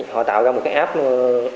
họ tạo ra một cái app